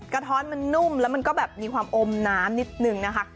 ท้อนมันนุ่มแล้วมันก็แบบมีความอมน้ำนิดนึงนะคะ